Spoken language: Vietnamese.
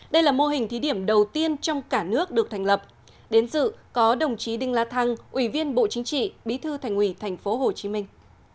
đây là mô hình thí điểm đầu tiên trong cả nước được thành lập đến dự có đồng chí đinh la thăng ủy viên bộ chính trị bí thư thành ủy thành phố hồ chí minh